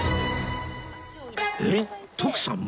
えっ徳さんも？